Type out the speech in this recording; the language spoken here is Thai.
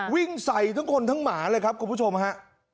วิ่งใส่ทั้งคนทั้งหมาเลยครับคุณผู้ชมฮะ